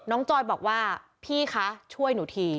จอยบอกว่าพี่คะช่วยหนูที